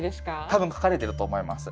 多分書かれてると思います。